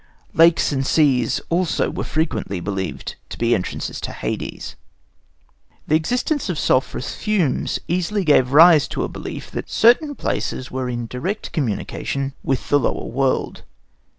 Lakes and seas also were frequently believed to be entrances to Hades. The existence of sulphurous fumes easily gave rise to a belief that certain places were in direct communication with the lower world.